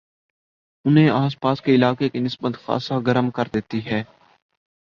انہیں آس پاس کے علاقے کی نسبت خاصا گرم کردیتی ہے